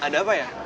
hah ada apa ya